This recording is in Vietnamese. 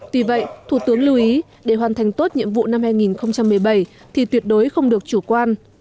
tuy vậy thủ tướng lưu ý để hoàn thành tốt nhiệm vụ năm hai nghìn một mươi bảy thì tuyệt đối không được chủ quan